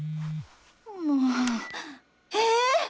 もぉえっ！